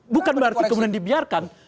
bukan berarti kemudian dibiarkan